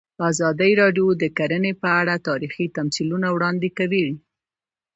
ازادي راډیو د کرهنه په اړه تاریخي تمثیلونه وړاندې کړي.